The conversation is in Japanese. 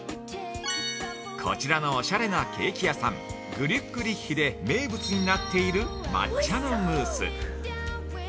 こちらのおしゃれなケーキ屋さん「グリュック・リッヒ」で名物になっている抹茶のムース。